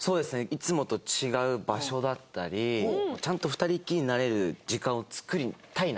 いつもと違う場所だったりちゃんと２人きりになれる時間を作りたいなって思います。